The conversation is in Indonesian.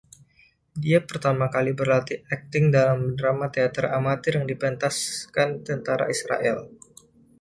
Dia pertama kali berlatih akting dalam drama teater amatir yang dipentaskan Tentara Israel.